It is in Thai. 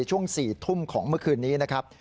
ช่วง๔ทุ่มของเมื่อคืนนี้นะครับ